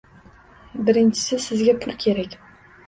Birinchisi sizga pul kerak